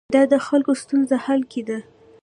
دا د خلکو ستونزو حل کې ده.